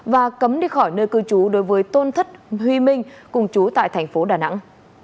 và cấm đi khỏi nơi cư trú đối với tôn thất huy minh cùng trú tại tp đà nẵng